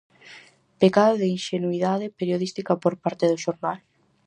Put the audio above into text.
Pecado de inxenuidade periodística por parte do xornal?